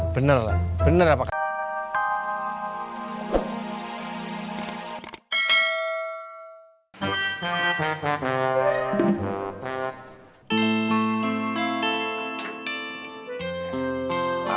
bener lah bener apakah